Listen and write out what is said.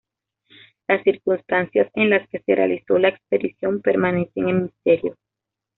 Las circunstancias en las que se realizó la expedición permanecen en misterio.